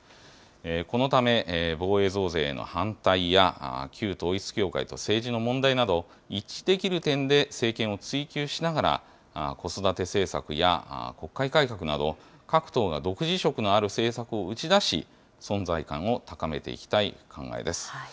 このため、防衛増税への反対や、旧統一教会と政治の問題など、一致できる点で政権を追及しながら、子育て政策や、国会改革など、各党が独自色のある政策を打ち出し、存在感を高めていきたい考えです。